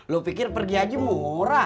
lo pikir pergi aja murah